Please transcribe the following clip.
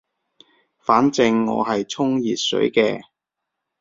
反正我係沖熱水嘅